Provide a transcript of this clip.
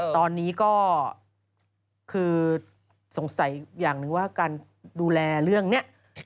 ตอนนี้ก็คือสงสัยอย่างหนึ่งว่าการดูแลเรื่องนี้